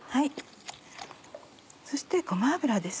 そしてごま油です。